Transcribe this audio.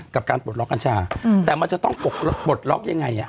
กับการปลดล็อกกัญชาแต่มันจะต้องปลดปลดล็อกยังไง